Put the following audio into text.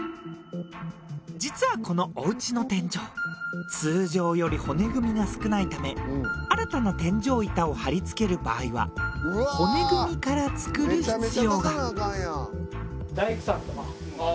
実はこのおうちの天井通常より骨組みが少ないため新たな天井板を張り付ける場合は骨組みから作る必要が。